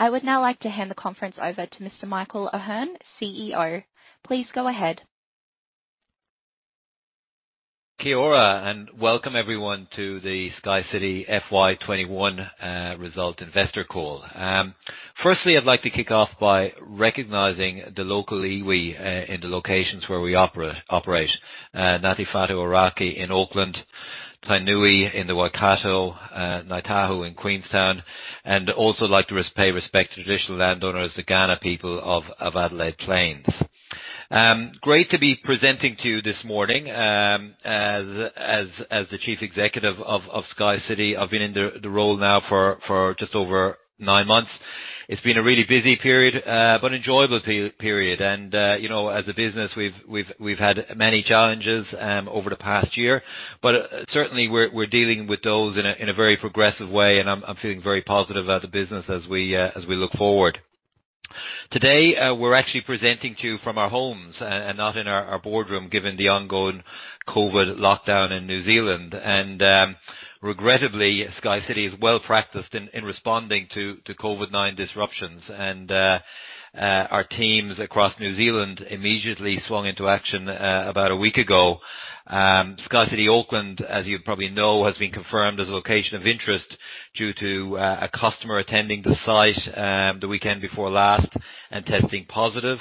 I would now like to hand the conference over to Mr. Michael Ahearne, CEO. Please go ahead. Kia ora, and welcome everyone to the SkyCity FY21 Result Investor Call. Firstly, I'd like to kick off by recognizing the local iwi in the locations where we operate. Ngāti Whātua Ōrākei in Auckland, Tainui in the Waikato, Ngāi Tahu in Queenstown, and also like to pay respect to traditional landowners, the Kaurna people of Adelaide Plains. Great to be presenting to you this morning, as the chief executive of SkyCity. I've been in the role now for just over nine months. It's been a really busy period, but enjoyable period. As a business, we've had many challenges over the past year, but certainly we're dealing with those in a very progressive way and I'm feeling very positive about the business as we look forward. Today, we're actually presenting to you from our homes and not in our boardroom, given the ongoing COVID lockdown in New Zealand. Regrettably, SkyCity is well-practiced in responding to COVID-19 disruptions, and our teams across New Zealand immediately swung into action about a week ago. SkyCity Auckland, as you probably know, has been confirmed as a location of interest due to a customer attending the site the weekend before last and testing positive.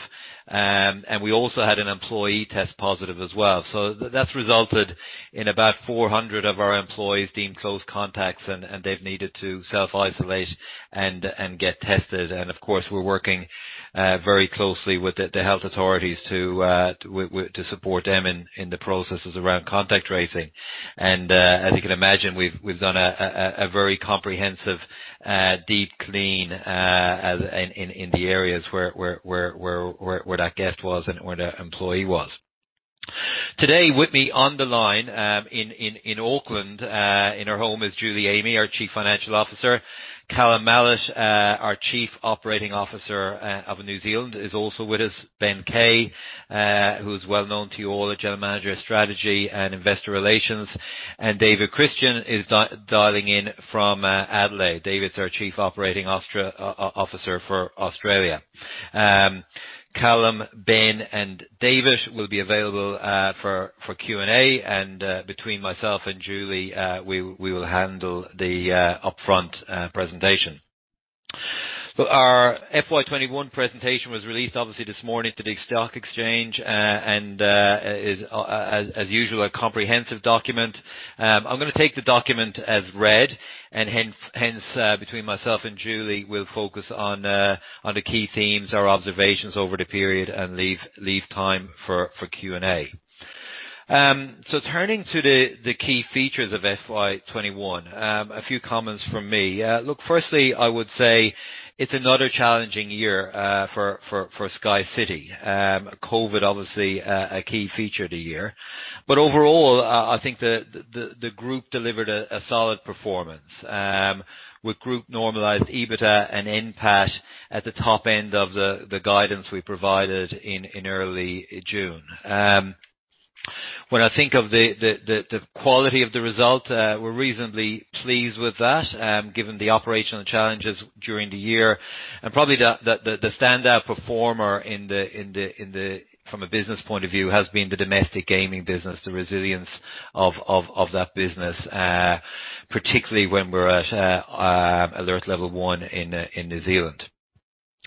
We also had an employee test positive as well. That's resulted in about 400 of our employees deemed close contacts, and they've needed to self-isolate and get tested. Of course, we're working very closely with the health authorities to support them in the processes around contact tracing. As you can imagine, we've done a very comprehensive deep clean in the areas where that guest was and where that employee was. Today, with me on the line in Auckland, in her home, is Julie Amey, our Chief Financial Officer. Callum Mallett, our Chief Operating Officer of New Zealand, is also with us. Ben Kay, who's well known to you all, the General Manager of Strategy and Investor Relations. David Christian is dialing in from Adelaide. David's our Chief Operating Officer for Australia. Callum, Ben, and David will be available for Q&A, and between myself and Julie, we will handle the upfront presentation. Our FY2021 presentation was released obviously this morning to the stock exchange, and is as usual, a comprehensive document. I'm going to take the document as read and hence, between myself and Julie, we'll focus on the key themes or observations over the period and leave time for Q&A. Turning to the key features of FY2021. A few comments from me. Look, firstly, I would say it's another challenging year for SkyCity. COVID, obviously, a key feature of the year. Overall, I think the group delivered a solid performance with group normalized EBITDA and NPAT at the top end of the guidance we provided in early June. When I think of the quality of the result, we're reasonably pleased with that, given the operational challenges during the year. Probably the standout performer from a business point of view, has been the domestic gaming business, the resilience of that business, particularly when we're at alert level one in New Zealand.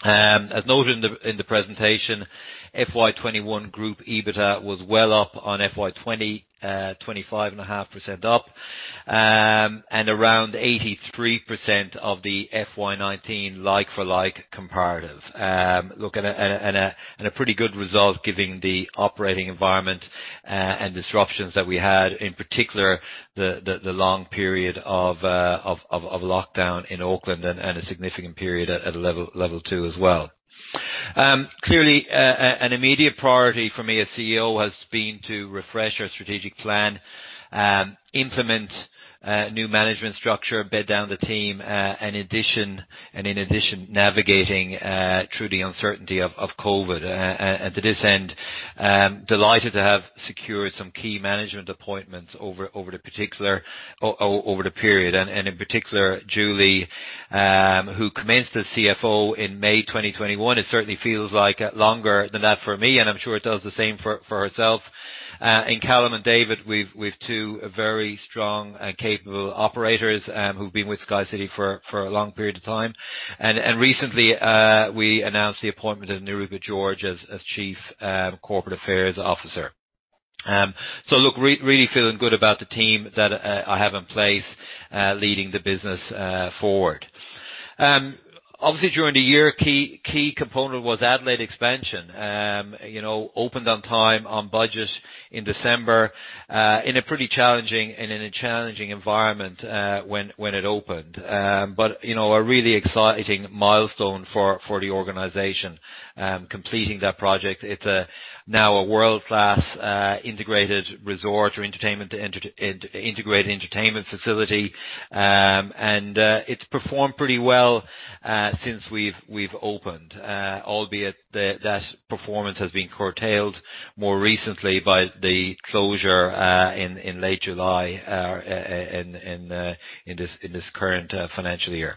As noted in the presentation, FY21 group EBITDA was well up on FY20, 25.5% up, and around 83% of the FY19 like-for-like comparative. Look, a pretty good result given the operating environment and disruptions that we had, in particular, the long period of lockdown in Auckland and a significant period at Level 2 as well. Clearly, an immediate priority for me as CEO has been to refresh our strategic plan, implement new management structure, bed down the team, and in addition, navigating through the uncertainty of COVID-19. To this end, I'm delighted to have secured some key management appointments over the period, and in particular, Julie, who commenced as CFO in May 2021. It certainly feels like longer than that for me, and I'm sure it does the same for herself. And Callum and David, we've two very strong and capable operators who've been with SkyCity for a long period of time. Recently, we announced the appointment of Nirupa George as Chief Corporate Affairs Officer. Look, really feeling good about the team that I have in place, leading the business forward. Obviously, during the year, key component was Adelaide expansion. Opened on time, on budget in December, in a pretty challenging environment when it opened. A really exciting milestone for the organization, completing that project. It's now a world-class integrated resort or integrated entertainment facility. It's performed pretty well since we've opened, albeit that performance has been curtailed more recently by the closure in late July in this current financial year.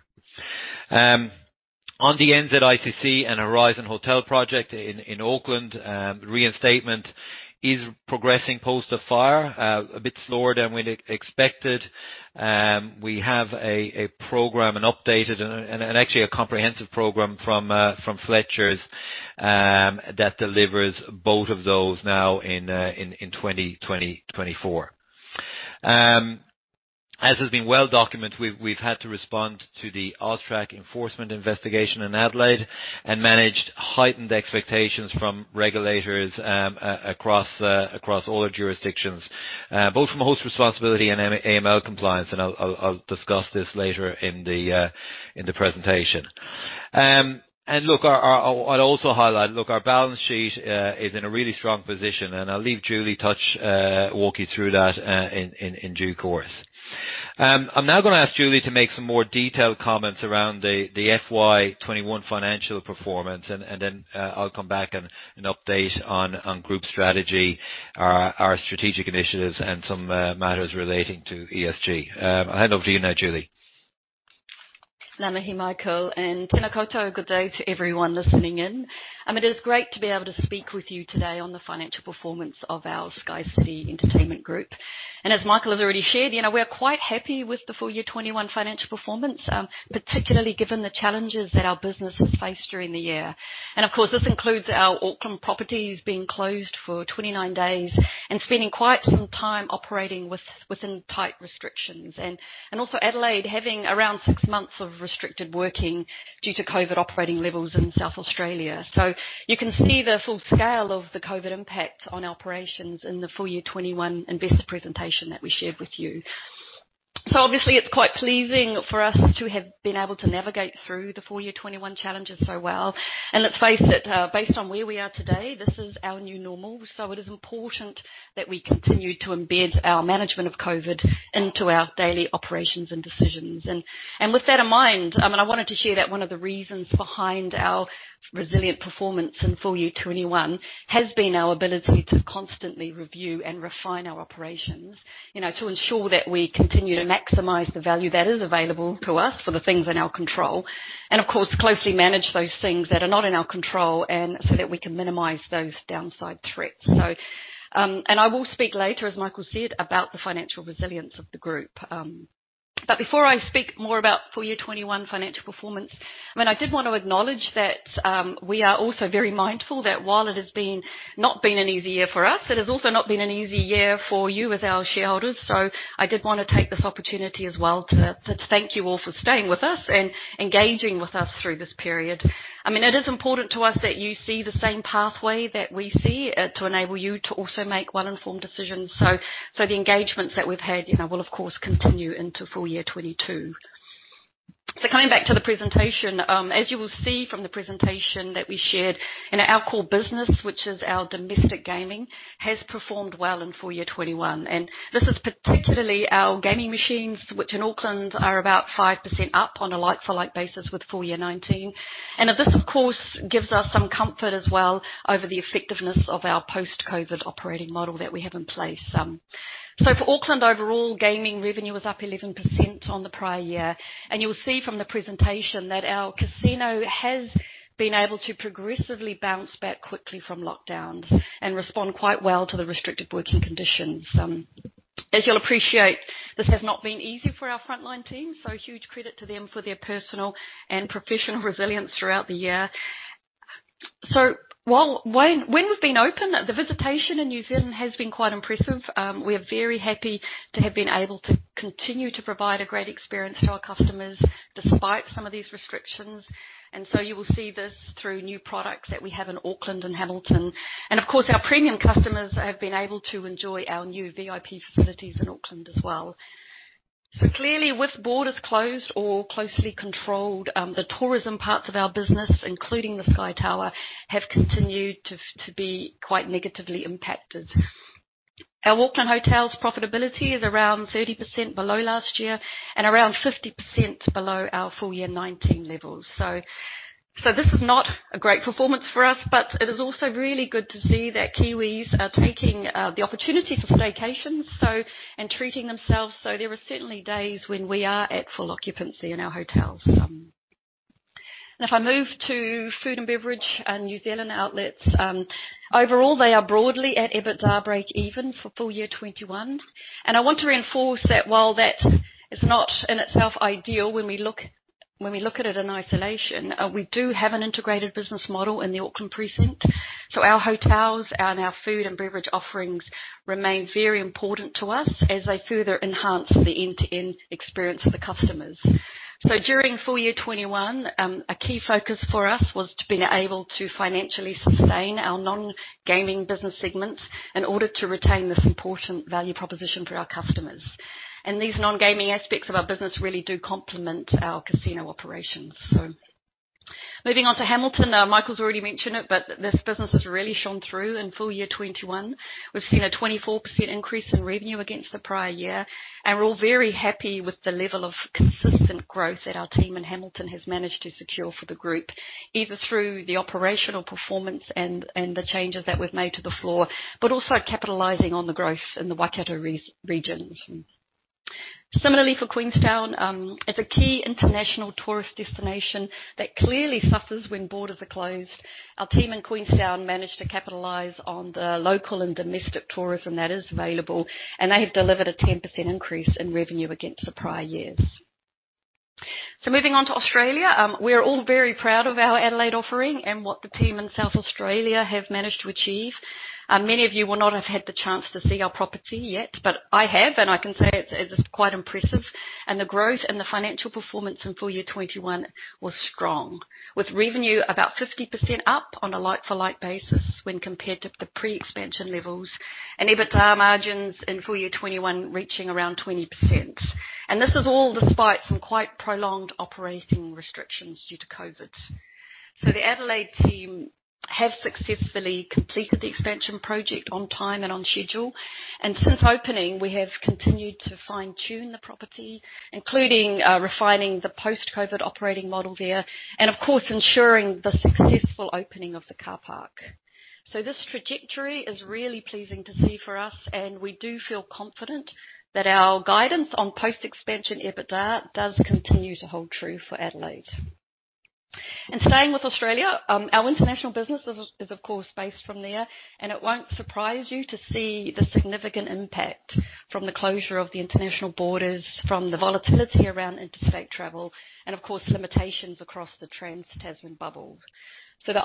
On the NZICC and Horizon Hotel project in Auckland, reinstatement is progressing post the fire, a bit slower than we expected. We have a program, an updated and actually a comprehensive program from Fletchers that delivers both of those now in 2024. As has been well-documented, we've had to respond to the AUSTRAC enforcement investigation in Adelaide and managed heightened expectations from regulators across all our jurisdictions, both from a host responsibility and AML compliance, and I'll discuss this later in the presentation. Look, I'd also highlight, look, our balance sheet is in a really strong position, I'll leave Julie to walk you through that in due course. I'm now going to ask Julie to make some more detailed comments around the FY21 Financial Performance, then I'll come back and update on group strategy, our strategic initiatives, and some matters relating to ESG. I'll hand over to you now, Julie. Ngā mihi, Michael, tena koutou, good day to everyone listening in. It is great to be able to speak with you today on the Financial Performance of our SkyCity Entertainment Group. As Michael has already shared, we're quite happy with the FY21 financial performance, particularly given the challenges that our business has faced during the year. Of course, this includes our Auckland properties being closed for 29 days and spending quite some time operating within tight restrictions. Also Adelaide having around six months of restricted working due to COVID-19 operating levels in South Australia. You can see the full scale of the COVID-19 impact on our operations in the FY21 Investor Presentation that we shared with you. Obviously it's quite pleasing for us to have been able to navigate through the FY21 challenges so well, and let's face it, based on where we are today, this is our new normal. It is important that we continue to embed our management of COVID-19 into our daily operations and decisions. With that in mind, I wanted to share that one of the reasons behind our resilient performance in FY21 has been our ability to constantly review and refine our operations, to ensure that we continue to maximize the value that is available to us for the things in our control. Of course, closely manage those things that are not in our control, and so that we can minimize those downside threats. I will speak later, as Michael said, about the financial resilience of the group. Before I speak more about FY 2021 financial performance, I did want to acknowledge that we are also very mindful that while it has not been an easy year for us, it has also not been an easy year for you as our shareholders. I did want to take this opportunity as well to thank you all for staying with us and engaging with us through this period. It is important to us that you see the same pathway that we see to enable you to also make well-informed decisions. The engagements that we've had will, of course, continue into FY 2022. Coming back to the presentation. As you will see from the presentation that we shared, and our core business, which is our domestic gaming, has performed well in FY 2021. This is particularly our gaming machines, which in Auckland are about 5% up on a like-for-like basis with FY19. This, of course, gives us some comfort as well over the effectiveness of our post-COVID operating model that we have in place. For Auckland, overall gaming revenue was up 11% on the prior year, and you will see from the presentation that our casino has been able to progressively bounce back quickly from lockdowns and respond quite well to the restricted working conditions. As you'll appreciate, this has not been easy for our frontline team, huge credit to them for their personal and professional resilience throughout the year. When we've been open, the visitation in New Zealand has been quite impressive. We are very happy to have been able to continue to provide a great experience to our customers despite some of these restrictions. You will see this through new products that we have in Auckland and Hamilton. Of course, our premium customers have been able to enjoy our new VIP facilities in Auckland as well. Clearly with borders closed or closely controlled, the tourism parts of our business, including the Sky Tower, have continued to be quite negatively impacted. Our Auckland hotel's profitability is around 30% below last year and around 50% below our FY 2019 levels. This is not a great performance for us, but it is also really good to see that Kiwis are taking the opportunity for staycations and treating themselves. There are certainly days when we are at full occupancy in our hotels. If I move to food and beverage and New Zealand outlets, overall, they are broadly at EBITDA breakeven for FY 2021. I want to reinforce that while that is not in itself ideal when we look at it in isolation, we do have an integrated business model in the Auckland precinct. Our hotels and our food and beverage offerings remain very important to us as they further enhance the end-to-end experience for the customers. During FY 2021, a key focus for us was to be able to financially sustain our non-gaming business segments in order to retain this important value proposition for our customers. These non-gaming aspects of our business really do complement our casino operations. Moving on to Hamilton. Michael's already mentioned it, but this business has really shone through in FY 2021. We've seen a 24% increase in revenue against the prior year, and we're all very happy with the level of consistent growth that our team in Hamilton has managed to secure for the group. Either through the operational performance and the changes that we've made to the floor, but also capitalizing on the growth in the Waikato regions. Similarly, for Queenstown, as a key international tourist destination that clearly suffers when borders are closed, our team in Queenstown managed to capitalize on the local and domestic tourism that is available, and they have delivered a 10% increase in revenue against the prior years. Moving on to Australia, we are all very proud of our Adelaide offering and what the team in South Australia have managed to achieve. Many of you will not have had the chance to see our property yet, but I have, and I can say it's quite impressive. The growth and the financial performance in FY21 was strong, with revenue about 50% up on a like-for-like basis when compared to the pre-expansion levels. EBITDA margins in FY21 reaching around 20%. This is all despite some quite prolonged operating restrictions due to COVID. The Adelaide team have successfully completed the expansion project on time and on schedule. Since opening, we have continued to fine-tune the property, including refining the post-COVID operating model there. Of course, ensuring the successful opening of the car park. This trajectory is really pleasing to see for us, and we do feel confident that our guidance on post-expansion EBITDA does continue to hold true for Adelaide. Staying with Australia, our international business is of course based from there, and it won't surprise you to see the significant impact from the closure of the international borders, from the volatility around interstate travel, and of course, limitations across the trans-Tasman bubble. The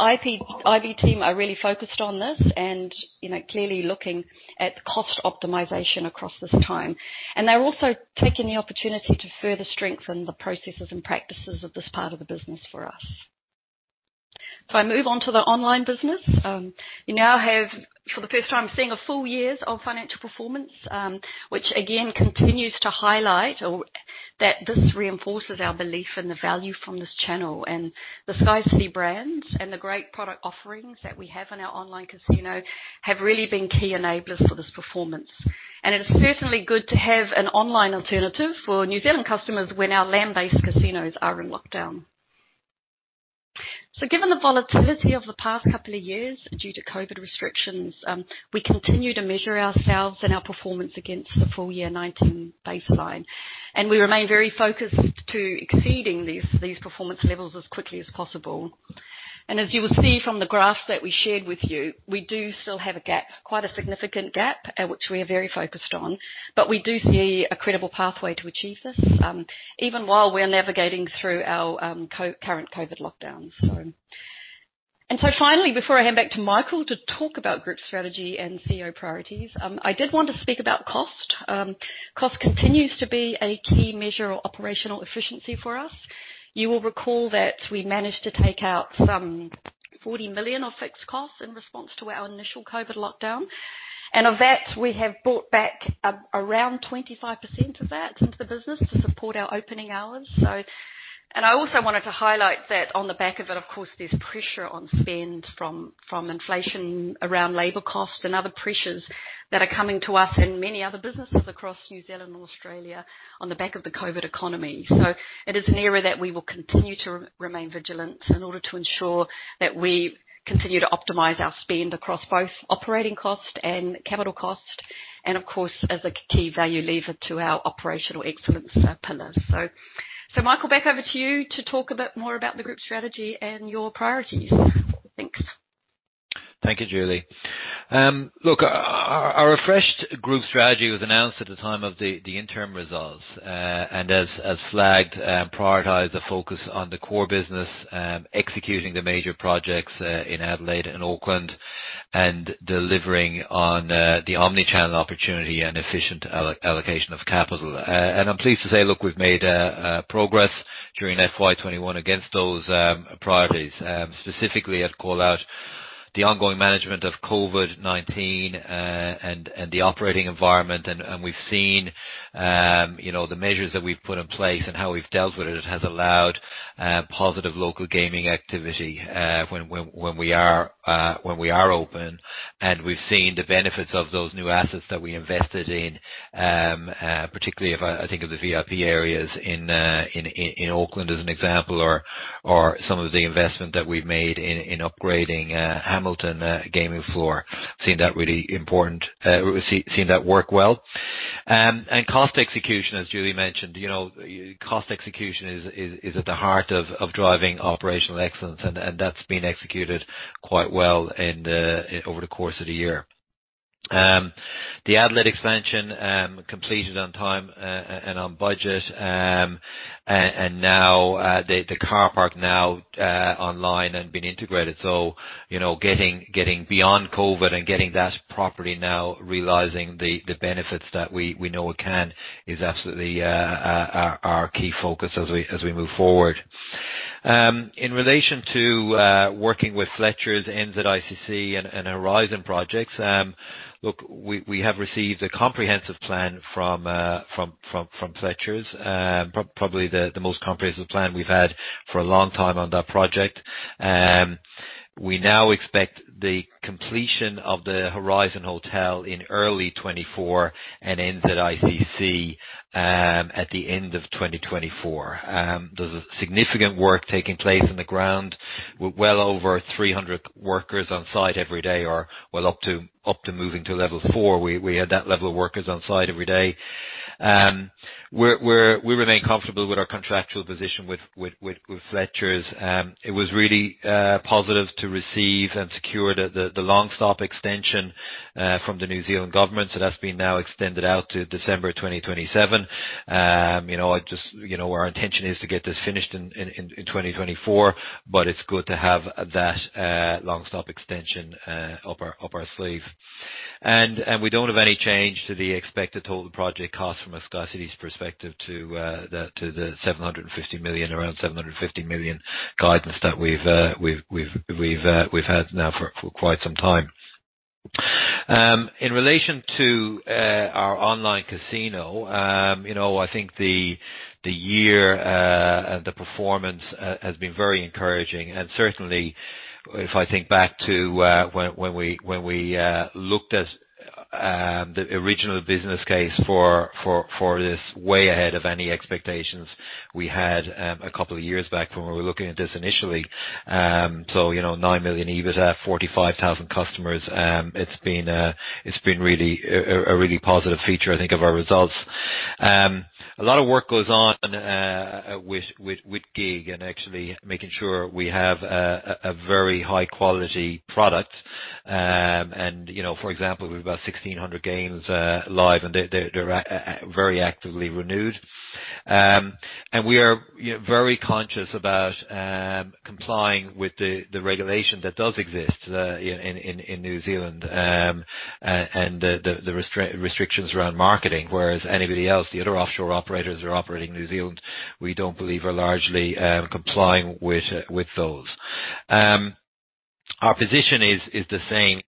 IB team are really focused on this and clearly looking at cost optimization across this time. They're also taking the opportunity to further strengthen the processes and practices of this part of the business for us. If I move on to the online business, you now have, for the first time, seeing a full year of financial performance, which again, continues to highlight that this reinforces our belief in the value from this channel. The SkyCity brands and the great product offerings that we have on our online casino have really been key enablers for this performance. It is certainly good to have an online alternative for New Zealand customers when our land-based casinos are in lockdown. Given the volatility of the past couple of years due to COVID restrictions, we continue to measure ourselves and our performance against the full year 2019 baseline. We remain very focused to exceeding these performance levels as quickly as possible. As you will see from the graphs that we shared with you, we do still have a gap, quite a significant gap, which we are very focused on, but we do see a credible pathway to achieve this, even while we are navigating through our current COVID lockdowns. Finally, before I hand back to Michael to talk about group strategy and CEO priorities, I did want to speak about cost. Cost continues to be a key measure of operational efficiency for us. You will recall that we managed to take out some 40 million of fixed costs in response to our initial COVID lockdown. Of that, we have brought back around 25% of that into the business to support our opening hours. I also wanted to highlight that on the back of it, of course, there's pressure on spend from inflation around labor costs and other pressures that are coming to us and many other businesses across New Zealand and Australia on the back of the COVID economy. It is an area that we will continue to remain vigilant in order to ensure that we continue to optimize our spend across both operating cost and capital cost, and of course, as a key value lever to our operational excellence pillars. Michael, back over to you to talk a bit more about the group strategy and your priorities. Thanks. Thank you, Julie. Look, our refreshed group strategy was announced at the time of the interim results, and as flagged, prioritize the focus on the core business, executing the major projects in Adelaide and Auckland, and delivering on the omnichannel opportunity and efficient allocation of capital. I'm pleased to say, look, we've made progress during FY21 against those priorities. Specifically, I'd call out the ongoing management of COVID-19, and the operating environment, and we've seen the measures that we've put in place and how we've dealt with it has allowed positive local gaming activity when we are open. We've seen the benefits of those new assets that we invested in, particularly if I think of the VIP areas in Auckland as an example, or some of the investment that we've made in upgrading Hamilton gaming floor, seeing that work well. Cost execution, as Julie mentioned, cost execution is at the heart of driving operational excellence, and that's been executed quite well over the course of the year. The Adelaide expansion completed on time and on budget. Now the car park now online and been integrated. Getting beyond COVID and getting that property now, realizing the benefits that we know it can is absolutely our key focus as we move forward. In relation to working with Fletchers, NZICC and Horizon Projects, look, we have received a comprehensive plan from Fletchers, probably the most comprehensive plan we've had for a long time on that project. We now expect the completion of the Horizon Hotel in early 2024 and NZICC at the end of 2024. There is significant work taking place on the ground with well over 300 workers on site every day, or well up to moving to level four, we had that level of workers on site every day. We remain comfortable with our contractual position with Fletchers. It was really positive to receive and secure the long stop extension from the New Zealand government. That has been now extended out to December 2027. Our intention is to get this finished in 2024, it is good to have that long stop extension up our sleeve. We do not have any change to the expected total project cost from a SkyCity's perspective to the around 750 million guidance that we have had now for quite some time. In relation to our online casino, I think the year and the performance has been very encouraging and certainly if I think back to when we looked at the original business case for this, way ahead of any expectations we had two years back from when we were looking at this initially. 9 million EBITDA, 45,000 customers, it's been a really positive feature, I think, of our results. A lot of work goes on with GiG and actually making sure we have a very high-quality product. For example, we have about 1,600 games live, and they're very actively renewed. We are very conscious about complying with the regulation that does exist in New Zealand, and the restrictions around marketing, whereas anybody else, the other offshore operators that are operating in New Zealand, we don't believe are largely complying with those. Our position is the same.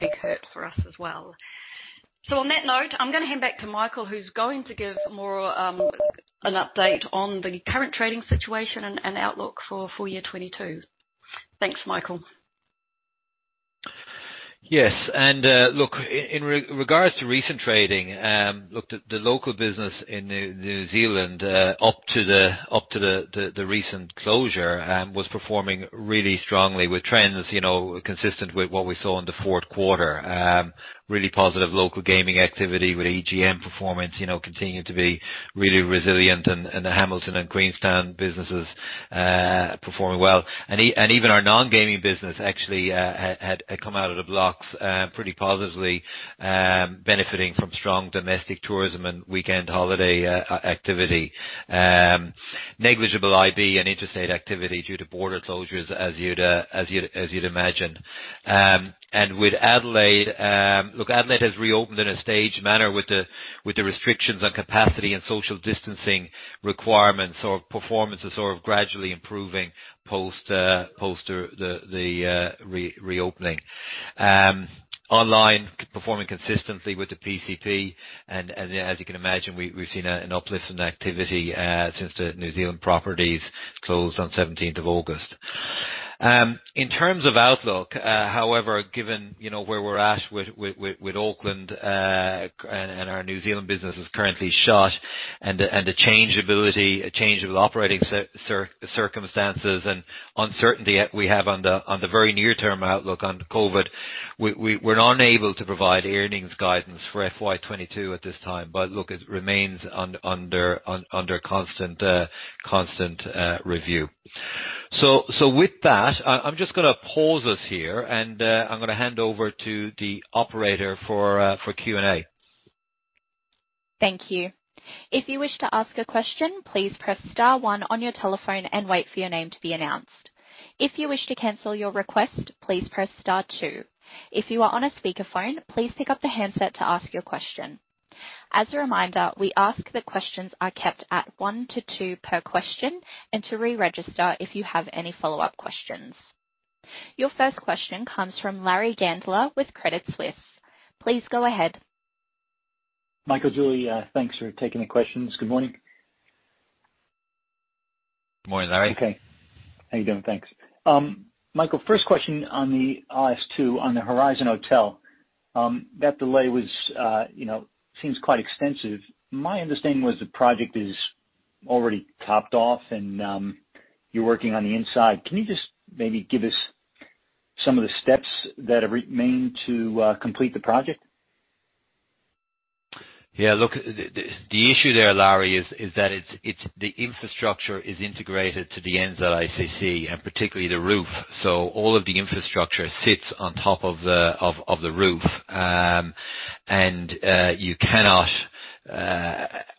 Big hurt for us as well. On that note, I'm going to hand back to Michael, who's going to give more of an update on the current trading situation and outlook for full year 2022. Thanks, Michael. Yes. Look, in regards to recent trading, look, the local business in New Zealand, up to the recent closure, was performing really strongly with trends consistent with what we saw in the fourth quarter. Really positive local gaming activity with EGM performance continuing to be really resilient, and the Hamilton and Queenstown businesses performing well. Even our non-gaming business actually had come out of the blocks pretty positively, benefiting from strong domestic tourism and weekend holiday activity. Negligible IB and interstate activity due to border closures as you'd imagine. With Adelaide, look, Adelaide has reopened in a staged manner with the restrictions on capacity and social distancing requirements. Performance is gradually improving post the reopening. Online, performing consistently with the PCP, and as you can imagine, we've seen an uplift in activity since the New Zealand properties closed on August 17th In terms of outlook, however, given where we're at with Auckland and our New Zealand business is currently shut, and the change of operating circumstances and uncertainty we have on the very near-term outlook on COVID-19, we're unable to provide earnings guidance for FY22 at this time. Look, it remains under constant review. With that, I'm just going to pause us here, and I'm going to hand over to the operator for Q&A. Thank you. If you wish to ask a question, please press star one on your telephone and wait for your name to be announced. If you wish to cancel your request, please press star two. If you are on a speaker phone, please pick-up the handset to ask your question. As a reminder, we ask that questions are kept at one to two per question and to re-register if you have any follow-up questions. Your first question comes from Larry Gandler with Credit Suisse. Please go ahead. Michael, Julie, thanks for taking the questions. Good morning. Morning, Larry. Okay. How you doing? Thanks. Michael, first question on the Is2, on the Horizon Hotel, that delay seems quite extensive. My understanding was the project is already topped off and you're working on the inside. Can you just maybe give us some of the steps that remain to complete the project? Yeah. Look, the issue there, Larry, is that the infrastructure is integrated to the NZICC, and particularly the roof. All of the infrastructure sits on top of the roof. You cannot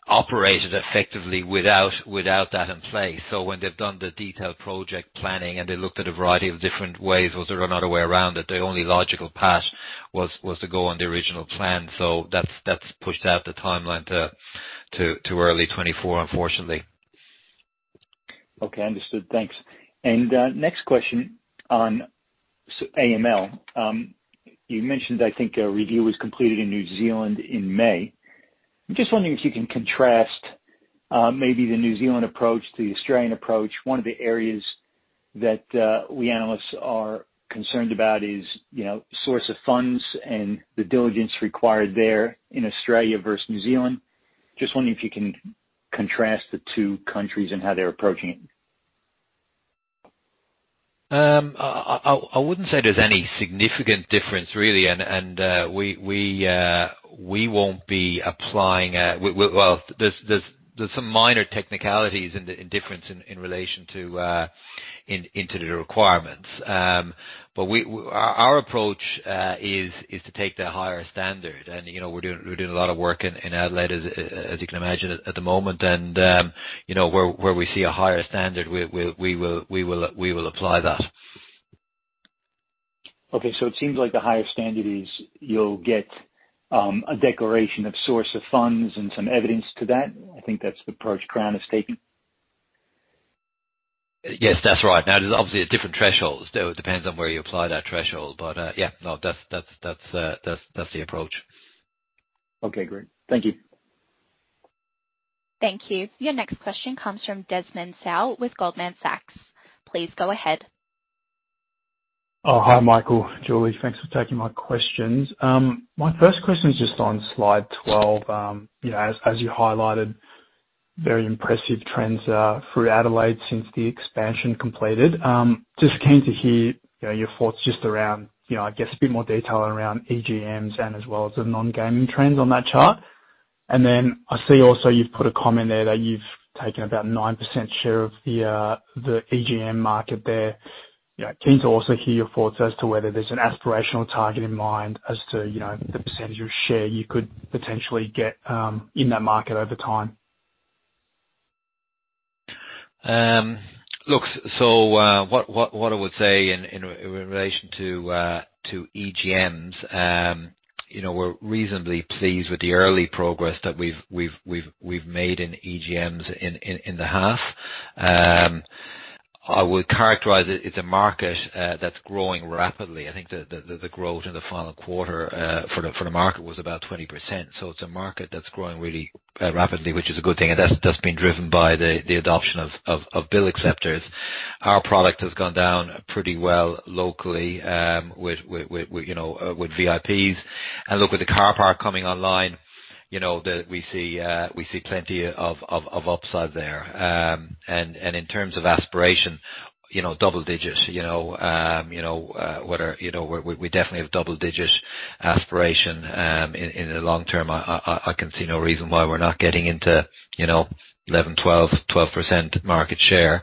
operate it effectively without that in place. When they've done the detailed project planning and they looked at a variety of different ways, was there another way around it, the only logical path was to go on the original plan. That's pushed out the timeline to early 2024, unfortunately. Okay, understood. Thanks. Next question on AML. You mentioned, I think, a review was completed in New Zealand in May. I'm just wondering if you can contrast the New Zealand approach to the Australian approach. One of the areas that we analysts are concerned about is source of funds and the diligence required there in Australia versus New Zealand. Just wondering if you can contrast the two countries and how they're approaching it. I wouldn't say there's any significant difference, really. There's some minor technicalities in difference in relation to the requirements. Our approach is to take the higher standard. We're doing a lot of work in Adelaide, as you can imagine, at the moment. Where we see a higher standard, we will apply that. Okay. It seems like the higher standard is you'll get a declaration of source of funds and some evidence to that. I think that's the approach Crown is taking. Yes, that's right. Now, there's obviously different thresholds. Depends on where you apply that threshold, but yeah. No, that's the approach. Okay, great. Thank you. Thank you. Your next question comes from Desmond Tsao with Goldman Sachs. Please go ahead. Oh, hi, Michael, Julie. Thanks for taking my questions. My first question is just on slide 12. As you highlighted, very impressive trends through Adelaide since the expansion completed. Just keen to hear your thoughts just around, I guess, a bit more detail around EGMs and as well as the non-gaming trends on that chart. Then I see also you've put a comment there that you've taken about 9% share of the EGM market there. Keen to also hear your thoughts as to whether there's an aspirational target in mind as to the percentage of share you could potentially get in that market over time. Look, what I would say in relation to EGMs, we're reasonably pleased with the early progress that we've made in EGMs in the half. I would characterize it. It's a market that's growing rapidly. I think the growth in the final quarter for the market was about 20%. It's a market that's growing really rapidly, which is a good thing, and that's been driven by the adoption of bill acceptors. Our product has gone down pretty well locally with VIPs. Look, with the car park coming online, we see plenty of upside there. In terms of aspiration, double digits. We definitely have double-digit aspiration in the long term. I can see no reason why we're not getting into 11%, 12% market share.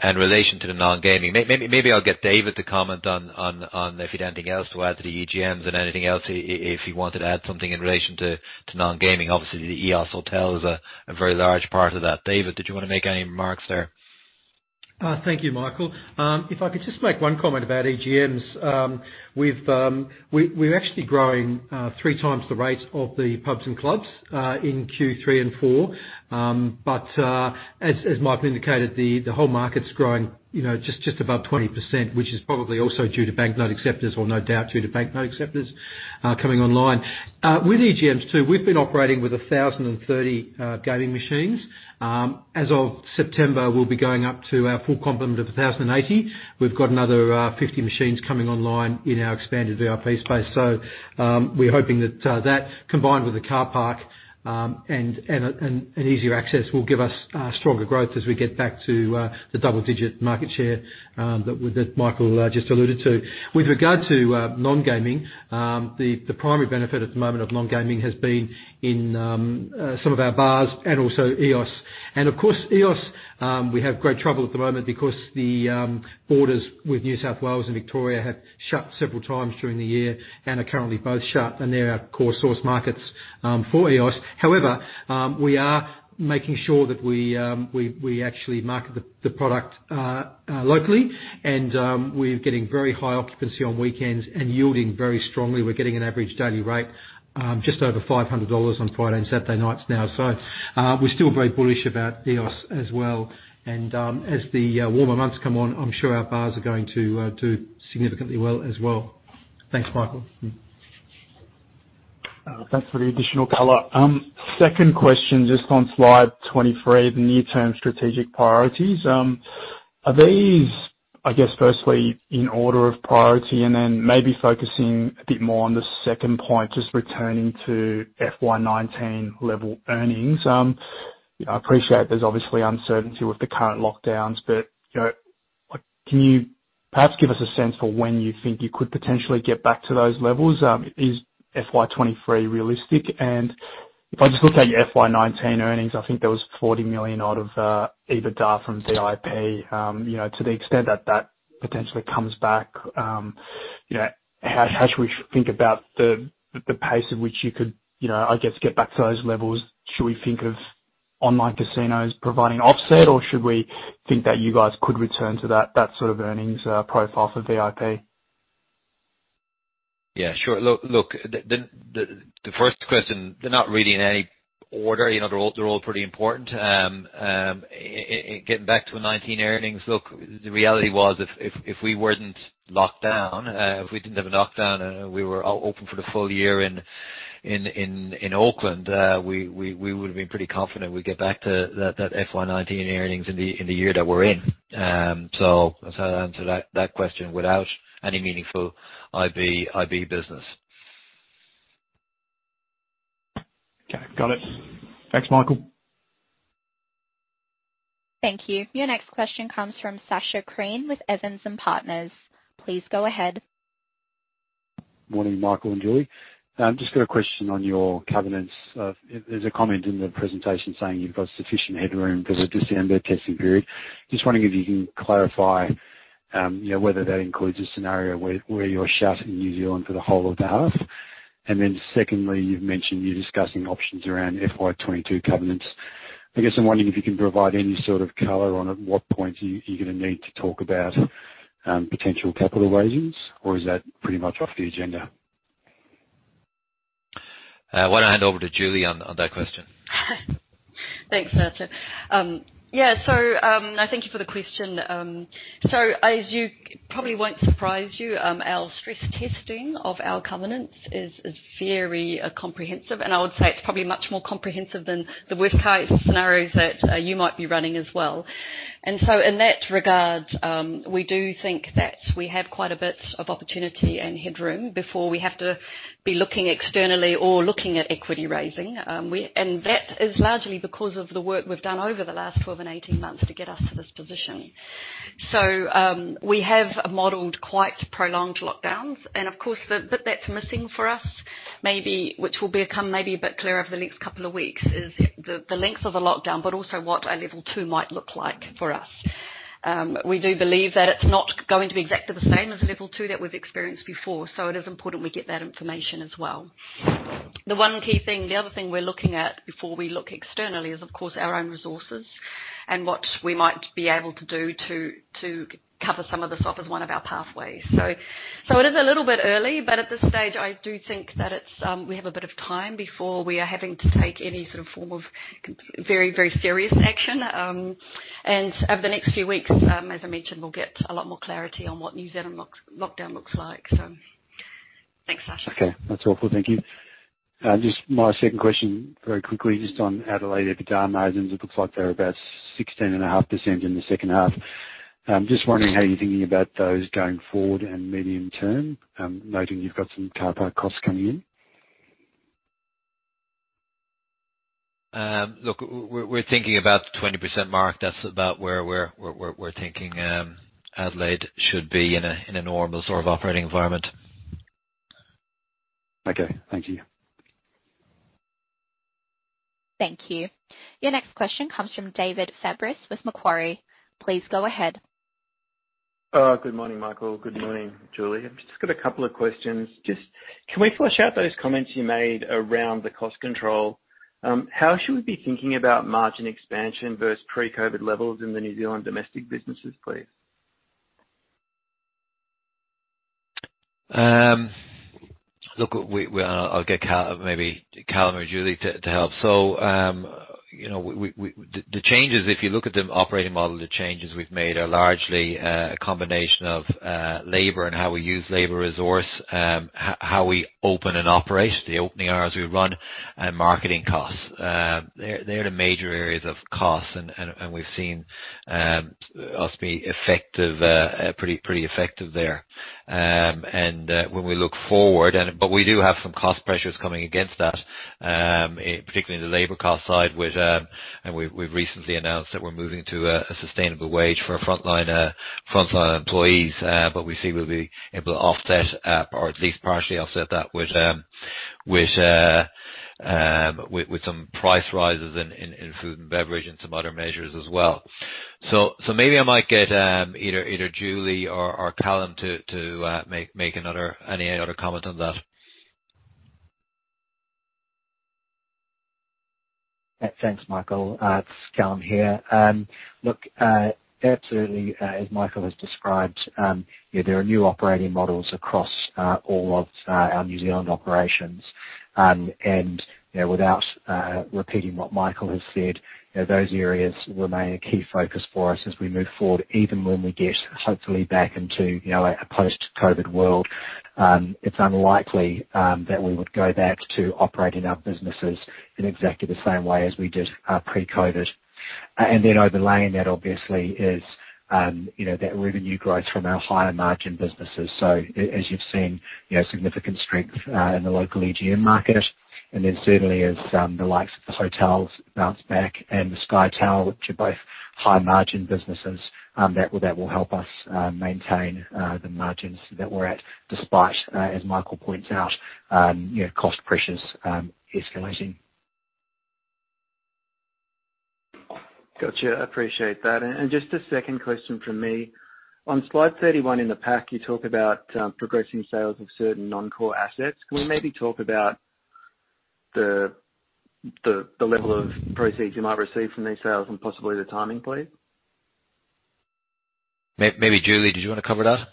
In relation to the non-gaming, maybe I'll get David to comment on if he had anything else to add to the EGMs and anything else, if he wanted to add something in relation to non-gaming. Obviously, the Eos Hotel is a very large part of that. David, did you want to make any remarks there? Thank you, Michael Ahearne. If I could just make one comment about EGMs. We're actually growing 3x the rate of the pubs and clubs in Q3 and four. As Michael Ahearne indicated, the whole market's growing just above 20%, which is probably also due to banknote acceptors or no doubt due to banknote acceptors coming online. With EGMs, too, we've been operating with 1,030 gaming machines. As of September, we'll be going up to our full complement of 1,080. We've got another 50 machines coming online in our expanded VIP space. We're hoping that that, combined with the car park and easier access, will give us stronger growth as we get back to the double-digit market share that Michael Ahearne just alluded to. With regard to non-gaming, the primary benefit at the moment of non-gaming has been in some of our bars and also Eos. Of course, Eos, we have great trouble at the moment because the borders with New South Wales and Victoria have shut several times during the year and are currently both shut, and they're our core source markets for Eos. However, we are making sure that we actually market the product locally, and we're getting very high occupancy on weekends and yielding very strongly. We're getting an average daily rate just over 500 dollars on Friday and Saturday nights now. We're still very bullish about Eos as well. As the warmer months come on, I'm sure our bars are going to do significantly well as well. Thanks, Michael. Thanks for the additional color. Second question, just on slide 23, the near-term strategic priorities. Are these, I guess firstly in order of priority and then maybe focusing a bit more on the second point, just returning to FY19 level earnings. I appreciate there's obviously uncertainty with the current lockdowns, but can you perhaps give us a sense for when you think you could potentially get back to those levels? Is FY23 realistic? If I just look at your FY19 earnings, I think there was 40 million out of EBITDA from VIP. To the extent that that potentially comes back, how should we think about the pace at which you could, I guess, get back to those levels? Should we think of online casinos providing offset, or should we think that you guys could return to that sort of earnings profile for VIP? Yeah, sure. Look, the first question, they're not really in any order. They're all pretty important. Getting back to the 2019 earnings, look, the reality was if we weren't locked down, if we didn't have a lockdown and we were open for the full year in Auckland, we would have been pretty confident we'd get back to that FY 2019 earnings in the year that we're in. That's how I'd answer that question without any meaningful IB business. Okay, got it. Thanks, Michael. Thank you. Your next question comes from Sacha Krien with Evans & Partners. Please go ahead. Morning, Michael and Julie. I've just got a question on your covenants. There's a comment in the presentation saying you've got sufficient headroom because of this amber testing period. Just wondering if you can clarify whether that includes a scenario where you're shut in New Zealand for the whole of the half. Secondly, you've mentioned you're discussing options around FY22 covenants. I guess I'm wondering if you can provide any sort of color on at what point you're going to need to talk about potential capital raisings, or is that pretty much off the agenda? Why don't I hand over to Julie on that question. Thanks, Sacha. Thank you for the question. It probably won't surprise you, our stress testing of our covenants is very comprehensive, and I would say it's probably much more comprehensive than the worst case scenarios that you might be running as well. In that regard, we do think that we have quite a bit of opportunity and headroom before we have to be looking externally or looking at equity raising. That is largely because of the work we've done over the last 12 and 18 months to get us to this position. We have modeled quite prolonged lockdowns, and of course, the bit that's missing for us, which will become maybe a bit clearer over the next couple of weeks, is the length of a lockdown, but also what a Level 2 might look like for us. We do believe that it's not going to be exactly the same as the Level 2 that we've experienced before, so it is important we get that information as well. The other thing we're looking at before we look externally is, of course, our own resources and what we might be able to do to cover some of this off as one of our pathways. It is a little bit early, but at this stage, I do think that we have a bit of time before we are having to take any sort of form of very serious action. Over the next few weeks, as I mentioned, we'll get a lot more clarity on what New Zealand lockdown looks like. Thanks, Sacha. Okay. That's all for thank you. Just my second question very quickly, just on Adelaide car park margins. It looks like they're about 16.5% in the second half. Just wondering how you're thinking about those going forward and medium term, noting you've got some car park costs coming in. Look, we're thinking about the 20% mark. That's about where we're thinking Adelaide should be in a normal sort of operating environment. Okay. Thank you. Thank you. Your next question comes from David Fabris with Macquarie. Please go ahead. Good morning, Michael. Good morning, Julie. I've just got a couple of questions. Just, can we flush out those comments you made around the cost control. How should we be thinking about margin expansion versus pre-COVID levels in the New Zealand domestic businesses, please? I'll get maybe Callum or Julie to help. The changes, if you look at the operating model, the changes we've made are largely a combination of labor and how we use labor resource, how we open and operate, the opening hours we run, and marketing costs. They're the major areas of costs and we've seen us be pretty effective there. When we look forward, we do have some cost pressures coming against that, particularly in the labor cost side, and we've recently announced that we're moving to a sustainable wage for our frontline employees. We think we'll be able to offset, or at least partially offset that with some price rises in food and beverage and some other measures as well. Maybe I might get either Julie or Callum to make any other comment on that. Thanks, Michael. It's Callum here. Look, absolutely as Michael has described, there are new operating models across all of our New Zealand operations. Without repeating what Michael has said, those areas remain a key focus for us as we move forward, even when we get hopefully back into a post-COVID world. It's unlikely that we would go back to operating our businesses in exactly the same way as we did pre-COVID. Then overlaying that obviously is that revenue growth from our higher margin businesses. As you've seen, significant strength in the local EGM market, then certainly as the likes of hotels bounce back and the Sky Tower, which are both high margin businesses, that will help us maintain the margins that we're at despite, as Michael points out, cost pressures escalating. Got you. Appreciate that. Just a second question from me. On slide 31 in the pack, you talk about progressing sales of certain non-core assets. Can we maybe talk about the level of proceeds you might receive from these sales and possibly the timing, please? Maybe Julie, did you want to cover that?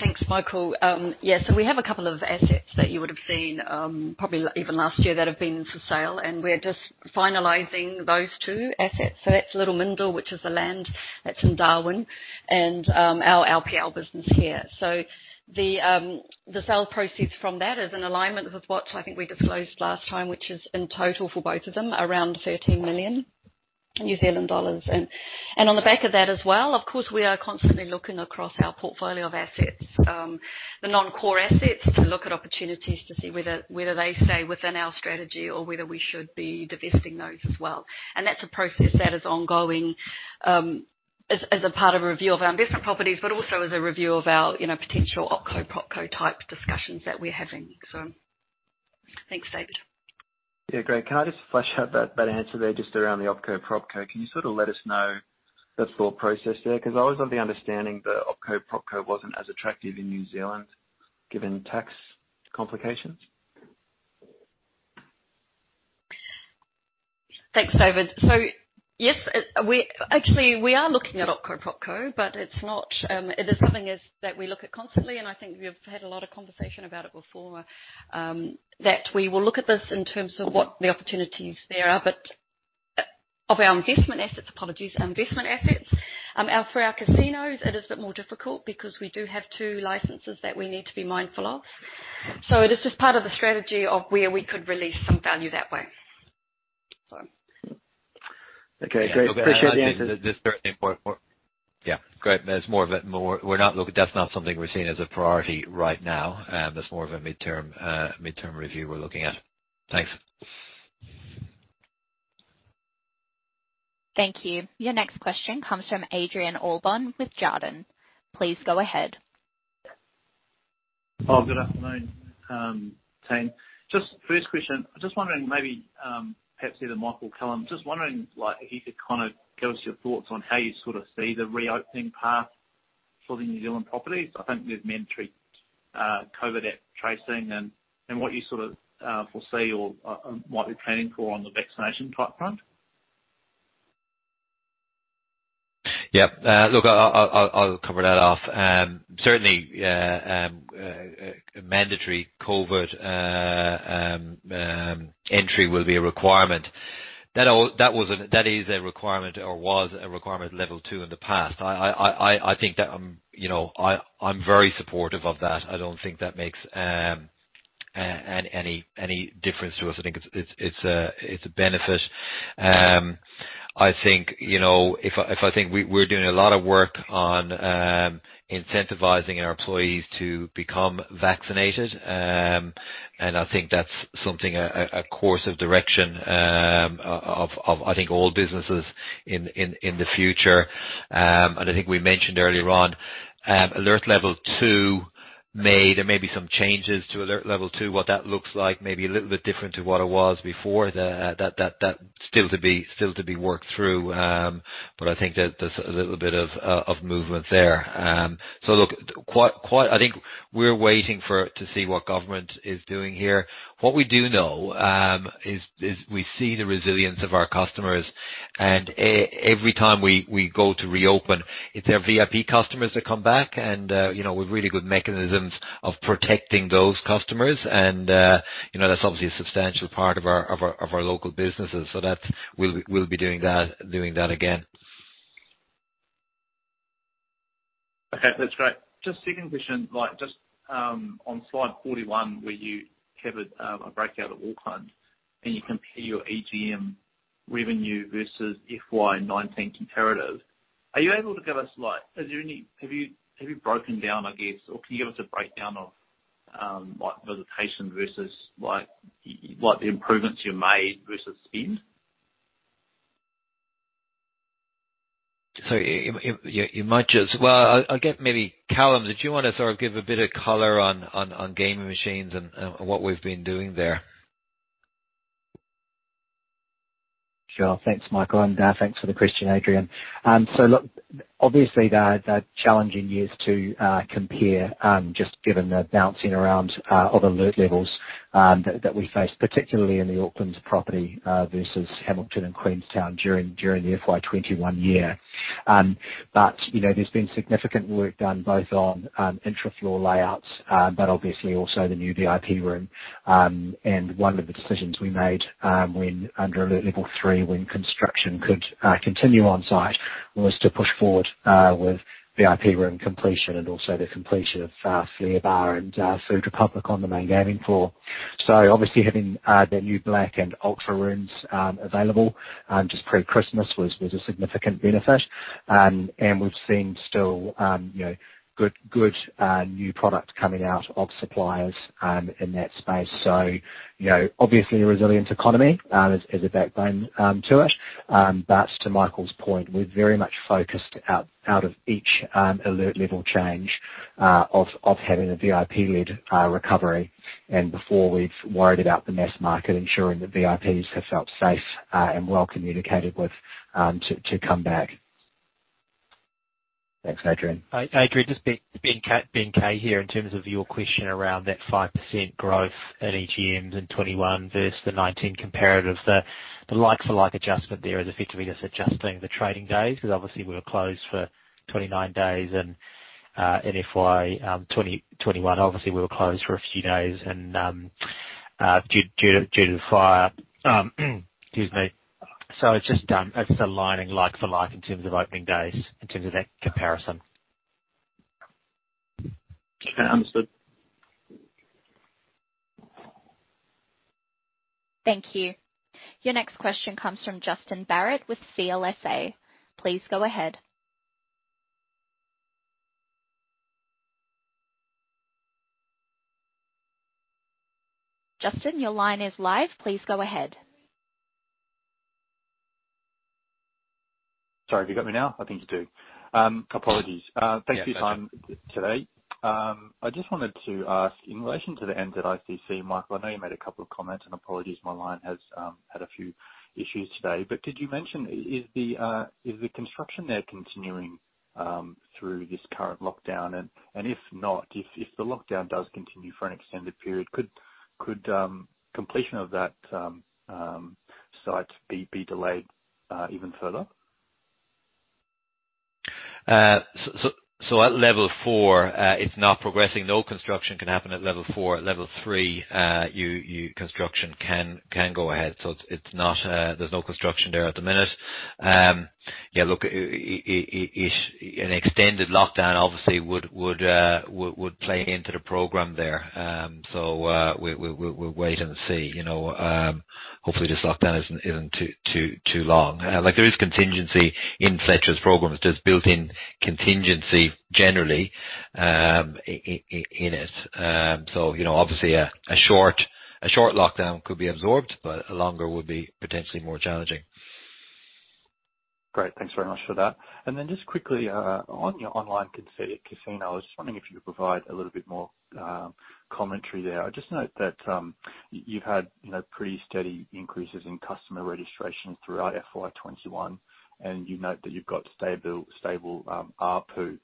Thanks, Michael. We have a couple of assets that you would have seen, probably even last year, that have been for sale, and we're just finalizing those two assets. That's Little Mindil, which is the land that's in Darwin, and our LPL business here. The sale proceeds from that is an alignment with what I think we disclosed last time, which is in total for both of them, around 13 million New Zealand dollars. On the back of that as well, of course, we are constantly looking across our portfolio of assets, the non-core assets, to look at opportunities to see whether they stay within our strategy or whether we should be divesting those as well. That's a process that is ongoing as a part of a review of our investment properties, but also as a review of our potential OpCo/PropCo type discussions that we're having. Thanks, David. Yeah. Great. Can I just flesh out that answer there just around the OpCo/PropCo? Can you sort of let us know the thought process there? Because I was of the understanding that OpCo/PropCo wasn't as attractive in New Zealand given tax complications. Thanks, David. Yes, actually, we are looking at OpCo/PropCo, but it is something that we look at constantly, and I think we've had a lot of conversation about it before, that we will look at this in terms of what the opportunities there are. Of our investment assets, apologies, our investment assets. For our casinos, it is a bit more difficult because we do have two licenses that we need to be mindful of. It is just part of the strategy of where we could release some value that way. Okay, great. Appreciate the answer. Yeah, great. That's not something we're seeing as a priority right now. That's more of a midterm review we're looking at. Thanks. Thank you. Your next question comes from Adrian Allbon with Jarden. Please go ahead. Oh, good afternoon, team. Just first question, I'm just wondering maybe, perhaps either Michael or Callum, just wondering if you could kind of give us your thoughts on how you sort of see the reopening path for the New Zealand properties. I think there's mandatory COVID-19 app tracing and what you sort of foresee or what you're planning for on the vaccination type front. Look, I'll cover that off. Certainly, mandatory COVID entry will be a requirement. That is a requirement or was a requirement Alert Level 2 in the past. I think that I'm very supportive of that. I don't think that makes any difference to us. I think it's a benefit. We're doing a lot of work on incentivizing our employees to become vaccinated. I think that's something, a course of direction of, I think all businesses in the future. I think we mentioned earlier on Alert Level 2. There may be some changes to Alert Level 2, what that looks like, may be a little bit different to what it was before. That's still to be worked through. I think there's a little bit of movement there. Look, I think we're waiting to see what government is doing here. What we do know is we see the resilience of our customers, and every time we go to reopen, it's our VIP customers that come back, and we've really good mechanisms of protecting those customers. That's obviously a substantial part of our local businesses. We'll be doing that again. Okay, that's great. Just second question, just on slide 41 where you have a breakout of Auckland, and you compare your AGM revenue versus FY 2019 comparative. Are you able to give us like or can you give us a breakdown of visitation versus the improvements you made versus spend? Well, I'll get maybe Callum. Do you want to sort of give a bit of color on gaming machines and what we've been doing there? Sure. Thanks, Michael, and thanks for the question, Adrian. Look, obviously they're challenging years to compare, just given the bouncing around of alert levels that we faced, particularly in the Auckland property versus Hamilton and Queenstown during the FY21 year. There's been significant work done both on intra-floor layouts but obviously also the new VIP room. One of the decisions we made under Alert Level 3, when construction could continue on-site, was to push forward with VIP room completion and also the completion of Flare and Food Republic on the main gaming floor. Obviously having the new Black and Ultra rooms available just pre-Christmas was a significant benefit. We've seen still good new product coming out of suppliers in that space. Obviously, a resilient economy is a backbone to it. To Michael's point, we're very much focused out of each alert level change of having a VIP-led recovery. Before we've worried about the mass market, ensuring that VIPs have felt safe and well communicated with to come back. Thanks, Adrian. Adrian, just Ben Kay here. In terms of your question around that 5% growth at AGMs in FY 2021 versus the FY 2019 comparative, the like-for-like adjustment there is effectively just adjusting the trading days because obviously we were closed for 29 days in FY 2021. Due to the fire. Excuse me. It's just aligning like for like in terms of opening days, in terms of that comparison. Okay, understood. Thank you. Your next question comes from Justin Barratt with CLSA. Please go ahead. Justin, your line is live. Please go ahead. Sorry, have you got me now? I think you do. Apologies. Yeah. Thanks for your time today. I just wanted to ask, in relation to the NZICC, Michael, I know you made a couple of comments, and apologies, my line has had a few issues today. Could you mention, is the construction there continuing through this current lockdown? If not, if the lockdown does continue for an extended period, could completion of that site be delayed even further? At Level 4, it's not progressing. No construction can happen at Level 4. At Level 3, construction can go ahead. There's no construction there at the minute. Yeah, look, an extended lockdown obviously would play into the program there. We'll wait and see. Hopefully, this lockdown isn't too long. There is contingency in such as programs. There's built-in contingency generally in it. Obviously a short lockdown could be absorbed, but a longer would be potentially more challenging. Great. Thanks very much for that. Just quickly, on your online casino, I was just wondering if you could provide a little bit more commentary there. I just note that you've had pretty steady increases in customer registration throughout FY 2021, and you note that you've got stable ARPU.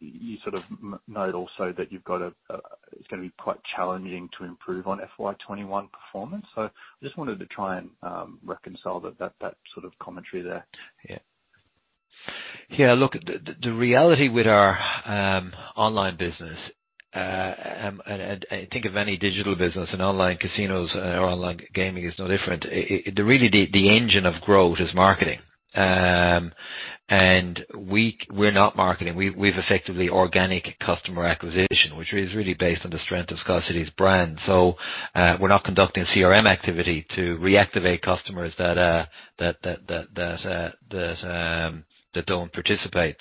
You sort of note also that it's going to be quite challenging to improve on FY 2021 performance. I just wanted to try and reconcile that sort of commentary there. Yeah. Look, the reality with our online business, and think of any digital business, and online casinos or online gaming is no different. Really, the engine of growth is marketing, and we're not marketing. We've effectively organic customer acquisition, which is really based on the strength of SkyCity's brand. We're not conducting CRM activity to reactivate customers that don't participate.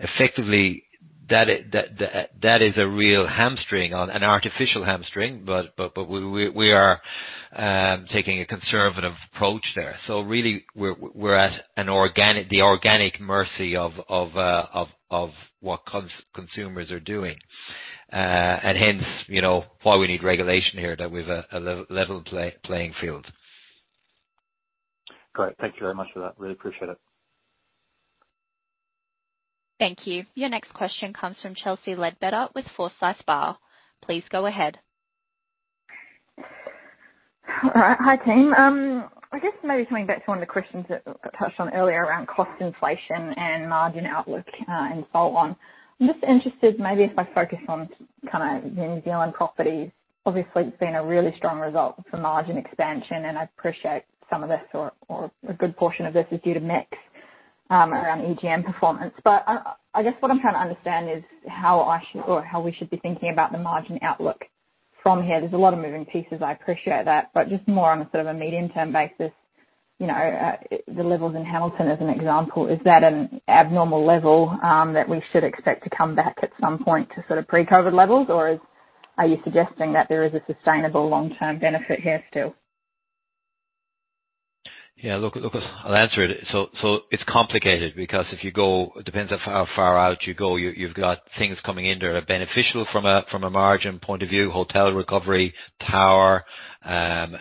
Effectively that is an artificial hamstring, but we are taking a conservative approach there. Really we're at the organic mercy of what consumers are doing. Hence, why we need regulation here, that we've a level playing field. Great. Thank you very much for that. Really appreciate it. Thank you. Your next question comes from Chelsea Leadbetter with Forsyth Barr. Please go ahead. All right. Hi, team. I guess maybe coming back to one of the questions that got touched on earlier around cost inflation and margin outlook, and so on. I'm just interested, maybe if I focus on kind of New Zealand properties. Obviously, it's been a really strong result for margin expansion. I appreciate some of this or a good portion of this is due to mix around EGM performance. I guess what I'm trying to understand is how I should or how we should be thinking about the margin outlook from here. There's a lot of moving pieces, I appreciate that. Just more on a sort of a medium-term basis. The levels in Hamilton, as an example, is that an abnormal level that we should expect to come back at some point to sort of pre-COVID levels? Are you suggesting that there is a sustainable long-term benefit here still? Yeah. Look, I'll answer it. It's complicated because it depends on how far out you go. You've got things coming in there that are beneficial from a margin point of view, hotel recovery, tower, as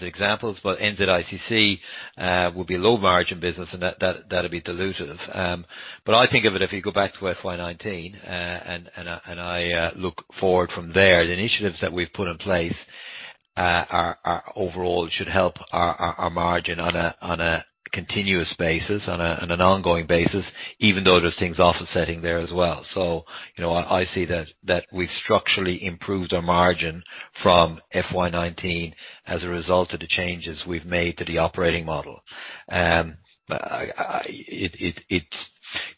examples. NZICC will be a low margin business and that'll be dilutive. I think of it, if you go back to FY 2019, and I look forward from there, the initiatives that we've put in place overall should help our margin on a continuous basis, on an ongoing basis, even though there's things offsetting there as well. I see that we've structurally improved our margin from FY 2019 as a result of the changes we've made to the operating model.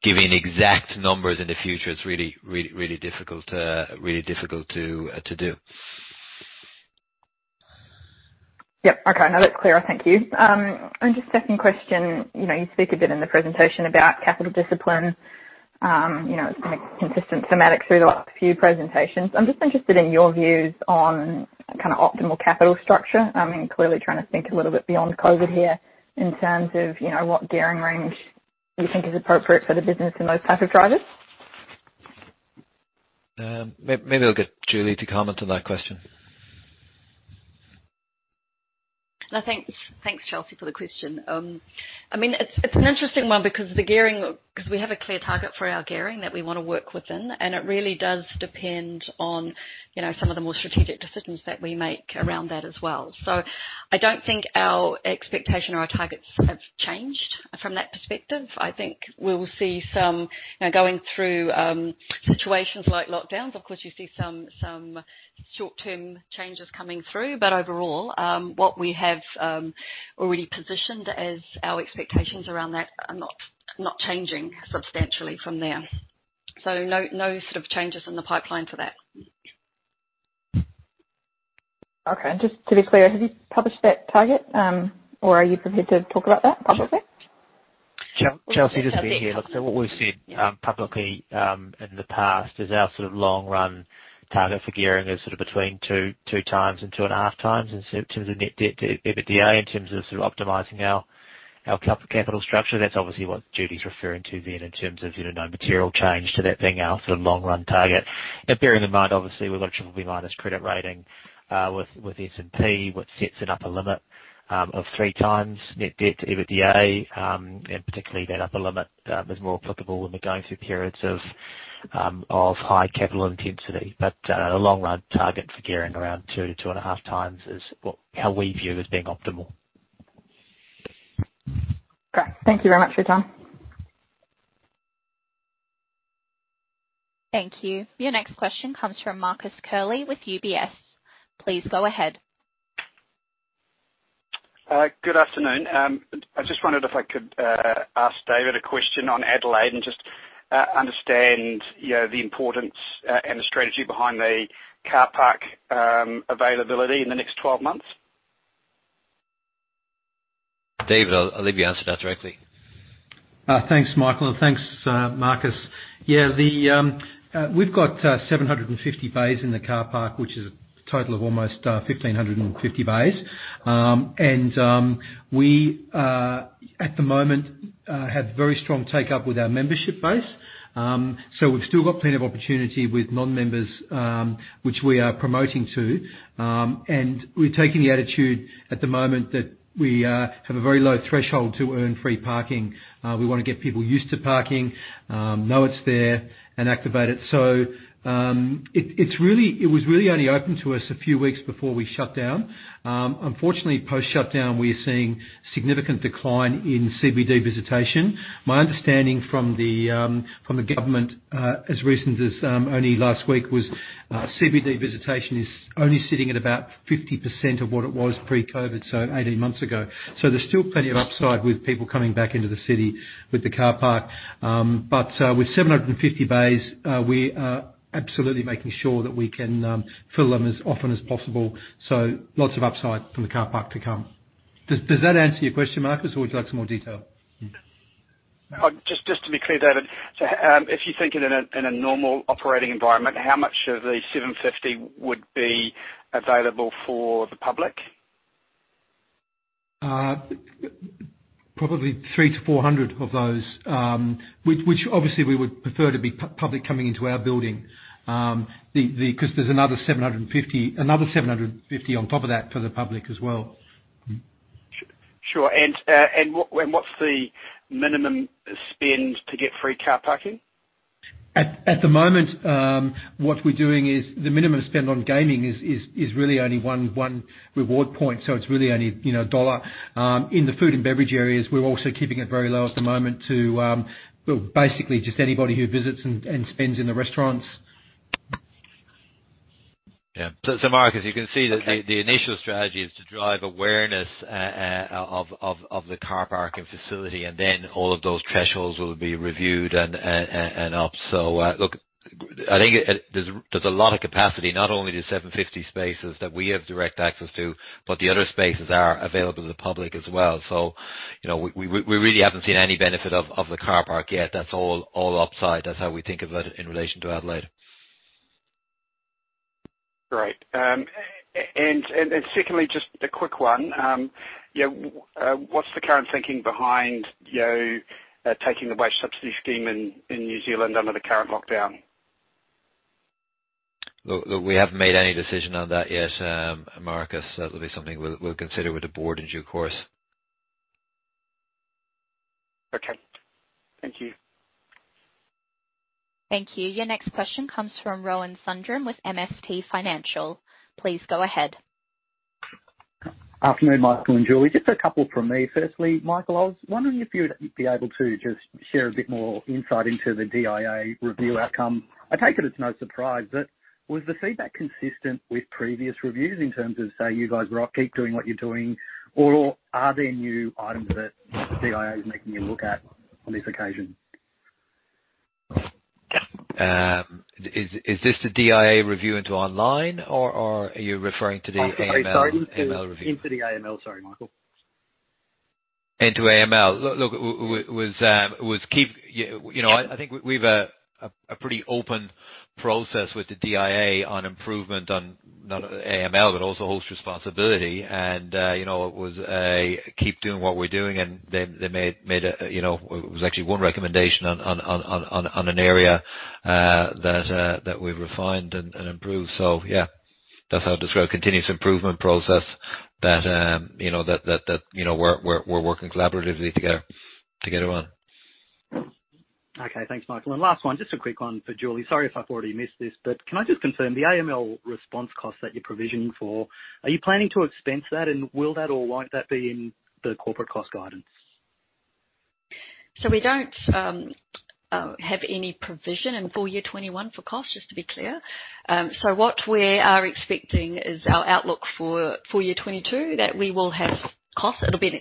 Giving exact numbers in the future is really difficult to do. Yep. Okay. No, that's clear. Thank you. Just second question. You speak a bit in the presentation about capital discipline. It's been a consistent thematic through the last few presentations. I'm just interested in your views on kind of optimal capital structure. Clearly trying to think a little bit beyond COVID here in terms of what gearing range you think is appropriate for the business and those type of drivers. Maybe I'll get Julie to comment on that question. No, thanks. Thanks, Chelsea, for the question. It's an interesting one because the gearing we have a clear target for our gearing that we want to work within, it really does depend on some of the more strategic decisions that we make around that as well. I don't think our expectation or our targets from that perspective, I think we'll see some going through situations like lockdowns. Of course, you see some short-term changes coming through. Overall, what we have already positioned as our expectations around that are not changing substantially from there. No changes in the pipeline for that. Okay. Just to be clear, have you published that target? Or are you prepared to talk about that publicly? Chelsea, just to be clear, what we've said publicly in the past is our long run target for gearing is between 2x and 2.5x in terms of net debt to EBITDA, in terms of optimizing our capital structure. That's obviously what Julie Amey's referring to then in terms of no material change to that being our long run target. Bearing in mind, obviously, we've got a BBB- credit rating with S&P, which sets an upper limit of 3x net debt to EBITDA. Particularly that upper limit is more applicable when we're going through periods of high capital intensity. A long run target for gearing around 2x-2.5x is how we view as being optimal. Great. Thank you very much for your time. Thank you. Your next question comes from Marcus Curley with UBS. Please go ahead. Good afternoon. I just wondered if I could ask David Christian a question on Adelaide and just understand the importance and the strategy behind the car park availability in the next 12 months. David, I'll let you answer that directly. Thanks, Michael, and thanks, Marcus. Yeah. We've got 750 bays in the car park, which is a total of almost 1,550 bays. We are at the moment have very strong take-up with our membership base. We've still got plenty of opportunity with non-members, which we are promoting to. We're taking the attitude at the moment that we have a very low threshold to earn free parking. We want to get people used to parking, know it's there, and activate it. It was really only open to us a few weeks before we shut down. Unfortunately, post-shutdown, we are seeing significant decline in CBD visitation. My understanding from the government as recent as only last week was CBD visitation is only sitting at about 50% of what it was pre-COVID, so 18 months ago. There's still plenty of upside with people coming back into the city with the car park. With 750 bays, we are absolutely making sure that we can fill them as often as possible. Lots of upside from the car park to come. Does that answer your question, Marcus, or would you like some more detail? Just to be clear, David, if you think in a normal operating environment, how much of the 750 would be available for the public? Probably 300-400 of those, which obviously we would prefer to be public coming into our building. There's another 750 on top of that for the public as well. Sure. What's the minimum spend to get free car parking? At the moment, what we're doing is the minimum spend on gaming is really only one reward point, so it's really only NZD 1. In the food and beverage areas, we're also keeping it very low at the moment to basically just anybody who visits and spends in the restaurants. Marcus, you can see that the initial strategy is to drive awareness of the car parking facility, and then all of those thresholds will be reviewed and up. Look, I think there's a lot of capacity, not only the 750 spaces that we have direct access to, but the other spaces are available to the public as well. We really haven't seen any benefit of the car park yet. That's all upside. That's how we think of it in relation to Adelaide. Great. Secondly, just a quick one. What's the current thinking behind you taking the wage subsidy scheme in New Zealand under the current lockdown? Look, we haven't made any decision on that yet, Marcus. That will be something we'll consider with the board in due course. Okay. Thank you. Thank you. Your next question comes from Rohan Sundram with MST Financial. Please go ahead. Afternoon, Michael and Julie. Just a couple from me. Firstly, Michael, I was wondering if you would be able to just share a bit more insight into the DIA review outcome. I take it it's no surprise, but was the feedback consistent with previous reviews in terms of, say, you guys keep doing what you're doing, or are there new items that the DIA is making you look at on this occasion? Is this the DIA review into online, or are you referring to the AML review? Into the AML. Sorry, Michael. Into AML. Look, I think we've a pretty open process with the DIA on improvement on not only AML but also host responsibility. It was a keep doing what we're doing, and there was actually one recommendation on an area that we've refined and improved. Yeah, that's how I'd describe continuous improvement process that we're working collaboratively together on. Okay. Thanks, Michael. Last one, just a quick one for Julie. Sorry if I've already missed this, but can I just confirm the AML response cost that you're provisioning for, are you planning to expense that? Will that, or won't that be in the corporate cost guidance? We don't have any provision in full year 2021 for cost, just to be clear. What we are expecting is our outlook for year 2022 that we will have costs. It'll be an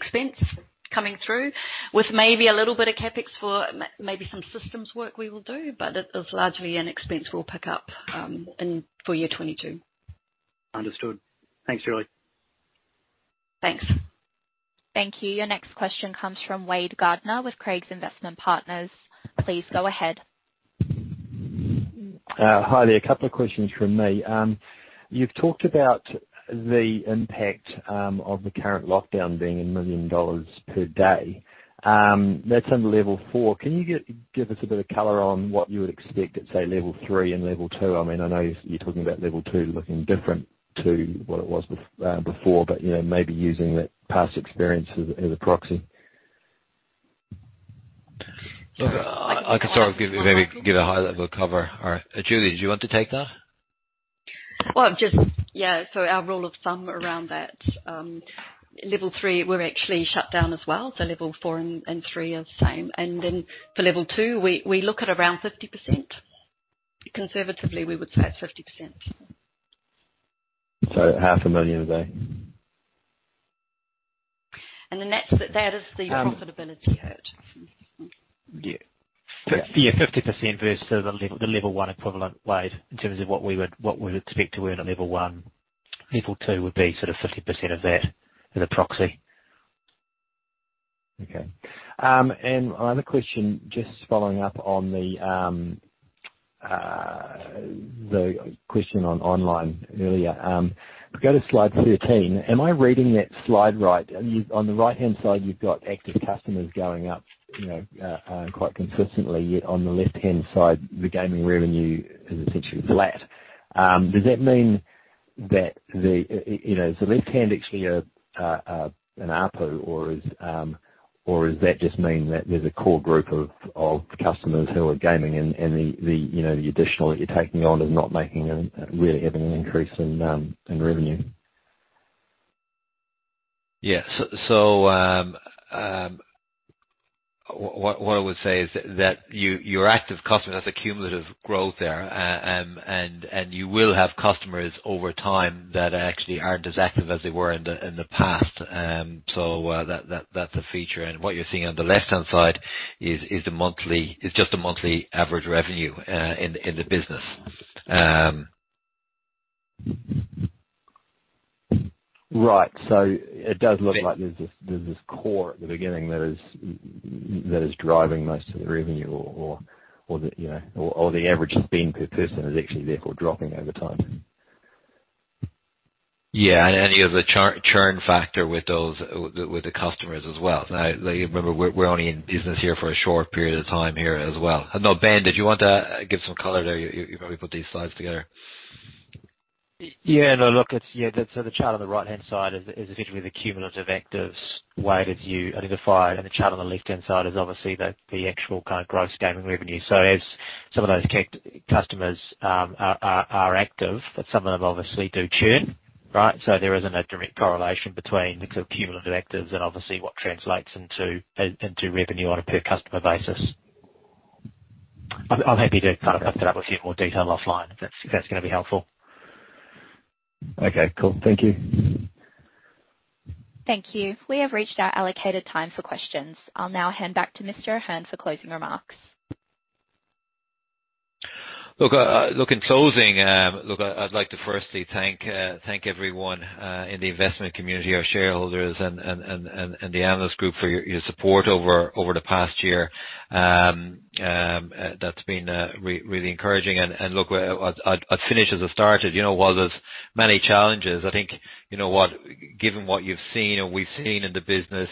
expense coming through with maybe a little bit of CapEx for maybe some systems work we will do, but it is largely an expense we'll pick up for year 2022. Understood. Thanks, Julie. Thanks. Thank you. Your next question comes from Wade Gardiner with Craigs Investment Partners. Please go ahead. Hi there. A couple of questions from me. You've talked about the impact of the current lockdown being 1 million dollars per day. That's under Level 4. Can you give us a bit of color on what you would expect at, say, Level 3 and Level 2? I know you're talking about Level 2 looking different to what it was before, but maybe using that past experience as a proxy. Look, I can sort of maybe give a high-level cover. Julie, do you want to take that? Well, just yeah. Our rule of thumb around that, Alert Level 3, we're actually shut down as well. Level 4 and Alert Level 3 are the same. For Alert Level 2, we look at around 50%. Conservatively, we would say it's 50%. NZD half a million a day. That is the profitability hurt. Yeah. 50% versus the Level 1 equivalent, Wade, in terms of what we would expect to earn at Level 1. Level 2 would be sort of 50% of that as a proxy. Okay. Another question, just following up on the question on online earlier. If I go to slide 13, am I reading that slide right? On the right-hand side, you've got active customers going up quite consistently, yet on the left-hand side, the gaming revenue is essentially flat. Is the left-hand actually an ARPU, or does that just mean that there's a core group of customers who are gaming and the additional that you're taking on is not really having an increase in revenue? What I would say is that your active customer, that's a cumulative growth there, and you will have customers over time that actually aren't as active as they were in the past. That's a feature. What you're seeing on the left-hand side is just the monthly average revenue in the business. Right. It does look like there's this core at the beginning that is driving most of the revenue or the average spend per person is actually therefore dropping over time. Yeah. You have the churn factor with the customers as well. You remember we're only in business here for a short period of time here as well. Ben Kay, did you want to give some color there? You probably put these slides together. No, look, the chart on the right-hand side is essentially the cumulative actives Wade has identified. The chart on the left-hand side is obviously the actual kind of gross gaming revenue. As some of those customers are active, but some of them obviously do churn, right? There isn't a direct correlation between the cumulative actives and obviously what translates into revenue on a per customer basis. I'm happy to kind of dust it up with you in more detail offline, if that's going to be helpful. Okay, cool. Thank you. Thank you. We have reached our allocated time for questions. I'll now hand back to Mr. Ahearne for closing remarks. Look, in closing, I'd like to firstly thank everyone in the investment community, our shareholders and the analyst group for your support over the past year. That's been really encouraging. Look, I'd finish as I started. While there's many challenges, I think given what you've seen and we've seen in the business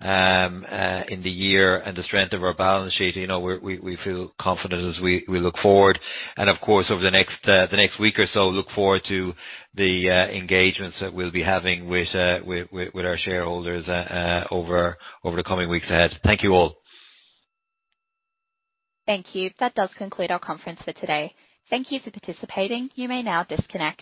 in the year and the strength of our balance sheet, we feel confident as we look forward. Of course, over the next week or so, look forward to the engagements that we'll be having with our shareholders over the coming weeks ahead. Thank you all. Thank you. That does conclude our conference for today. Thank you for participating. You may now disconnect.